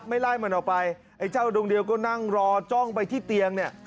ไล่มันออกไปไอ้เจ้าดวงเดียวก็นั่งรอจ้องไปที่เตียงเนี่ย